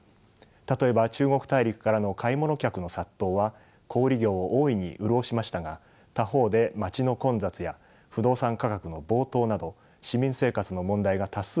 例えば中国大陸からの買い物客の殺到は小売業を大いに潤しましたが他方で町の混雑や不動産価格の暴騰など市民生活の問題が多数浮上しました。